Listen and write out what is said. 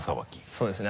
そうですね。